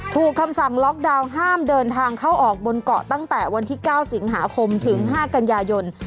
คำสั่งล็อกดาวน์ห้ามเดินทางเข้าออกบนเกาะตั้งแต่วันที่๙สิงหาคมถึง๕กันยายน